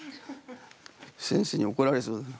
先生に怒られそうだな。